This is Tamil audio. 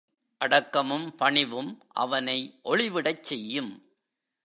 அடக்கமும் பணிவும் அவனை ஒளிவிடச் செய்யும்.